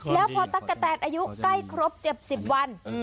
แล้วพอตั๊กกะแตนอายุใกล้ครบ๗๐วัน